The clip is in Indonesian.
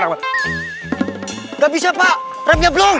nggak bisa pak remnya belum